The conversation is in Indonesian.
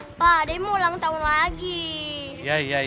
ngereon lagi iya nanti diraihkan ya huhu